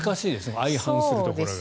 相反するところが。